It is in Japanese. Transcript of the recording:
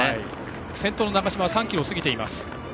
先頭の長嶋は３ｋｍを過ぎています。